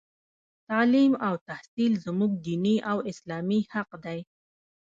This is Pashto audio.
تـعلـيم او تحـصيل زمـوږ دينـي او اسـلامي حـق دى.